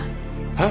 えっ！？